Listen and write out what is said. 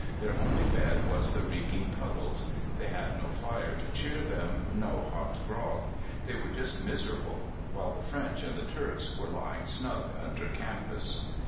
Their only bed was the reeking puddles. They had no fire to cheer them, no hot grog. They were just miserable, while the French and the Turks were lying snug under canvas.